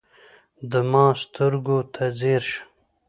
د ما سترګو ته ځیر شه